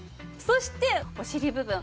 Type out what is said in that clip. そしてお尻部分。